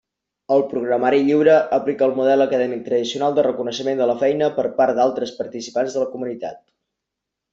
El programari lliure aplica el model acadèmic tradicional de reconeixement de la feina per part d'altres participants de la comunitat.